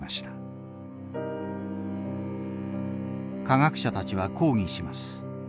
科学者たちは抗議します。